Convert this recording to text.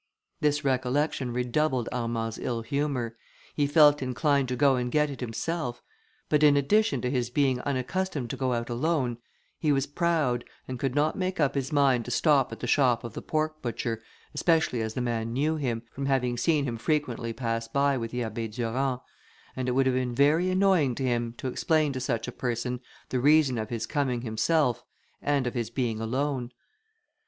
This recollection redoubled Armand's ill humour; he felt inclined to go and get it himself; but in addition to his being unaccustomed to go out alone, he was proud, and could not make up his mind to stop at the shop of the pork butcher, especially as the man knew him, from having seen him frequently pass by with the Abbé Durand, and it would have been very annoying to him to explain to such a person the reason of his coming himself, and of his being alone.